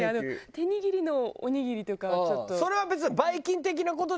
手握りのおにぎりとかはちょっと。